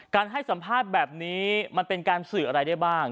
ให้สัมภาษณ์แบบนี้มันเป็นการสื่ออะไรได้บ้าง